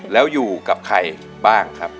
แล้วอยู่กับใครบ้างครับ